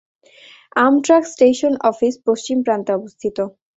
Amtrak station office পশ্চিম প্রান্তে অবস্থিত।